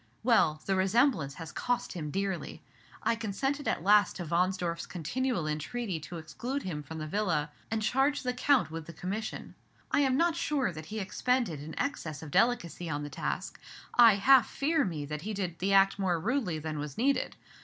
Well, the resemblance has cost him dearly. I consented at last to Wahnsdorf's continual entreaty to exclude him from the Villa, and charged the Count with the commission. I am not sure that he expended an excess of delicacy on the task; I half fear me that he did the act more rudely than was needed.